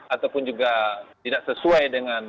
ataupun juga tidak sesuai dengan